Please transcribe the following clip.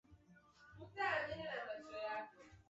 Densi la sakati.